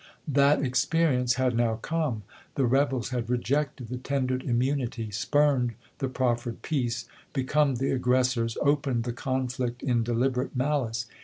That experience had now come. The rebels had rejected the tendered immunity, spurned the proffered peace, become the aggressors, opened the conflict in deliberate malice.